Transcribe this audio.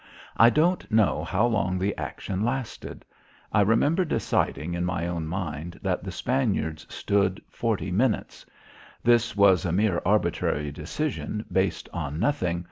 I don't know how long the action lasted. I remember deciding in my own mind that the Spaniards stood forty minutes. This was a mere arbitrary decision based on nothing.